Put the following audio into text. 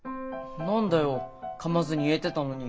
何だよかまずに言えてたのに。